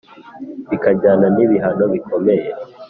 bikajyana ni bihano bikomeye